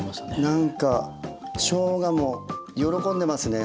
なんかしょうがも喜んでますね